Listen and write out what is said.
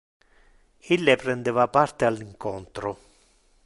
Ille prendeva parte al incontro.